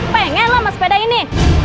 pengen lu sama sepeda ini